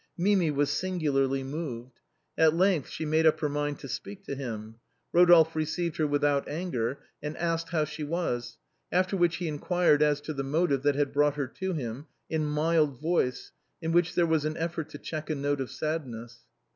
Mimi was singu larly moved. At length she made up her mind to speak to him. Eodolphe received her without anger, and asked how she was, after which he inquired as to the motive that had brought her to him, in mild voice, in which there was an effort to check a note of sadness.